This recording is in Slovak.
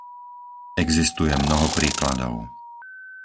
Existuje mnoho príkladov.